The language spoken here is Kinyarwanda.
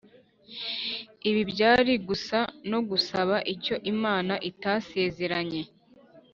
. Ibi byari gusa no gusaba icyo Imana itasezeranye